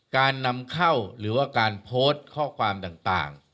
การนำเข้าหรือว่าการโพสต์ข้อความต่าง